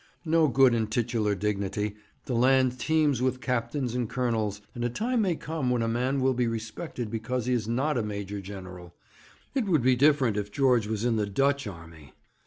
No good in titular dignity. The land teems with captains and colonels; and a time may come when a man will be respected because he is not a major general. It would be different if George was in the Dutch army.'